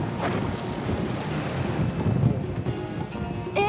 え！